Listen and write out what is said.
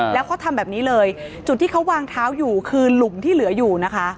แล้วเขาทำแบบนี้เลยจุดที่เขาวางเท้าอยู่คือหลุมที่เหลืออยู่นะคะ